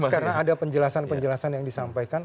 karena ada penjelasan penjelasan yang disampaikan